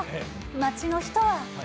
街の人は。